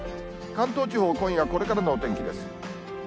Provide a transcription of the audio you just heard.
関東地方、今夜これからのお天気です。